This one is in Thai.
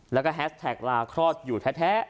แล้วก็แฮสแท็กลาคลอดอยู่แท้